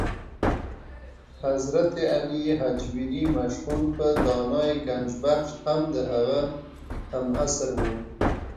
حضرت علي هجویري مشهور په داتا ګنج بخش هم د هغه هم عصر و.